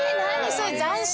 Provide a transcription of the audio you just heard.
それ斬新。